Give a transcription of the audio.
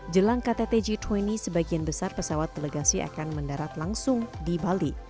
jelang ktt g dua puluh sebagian besar pesawat delegasi akan mendarat langsung di bali